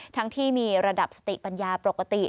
ทั้งที่มีระดับสติปัญญาปกติ